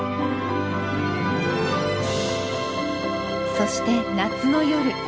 そして夏の夜。